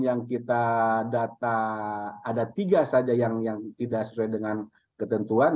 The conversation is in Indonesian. yang kita data ada tiga saja yang tidak sesuai dengan ketentuan